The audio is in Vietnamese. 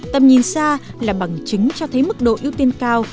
tầm nhìn xa là bằng chứng cho thấy mức độ ưu tiên cao